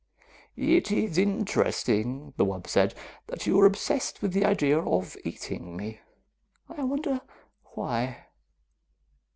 "It is interesting," the wub said, "that you are obsessed with the idea of eating me. I wonder why."